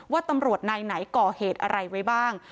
ว่าตำรวจนายไหนก่อเหตุอะไรไว้บ้าง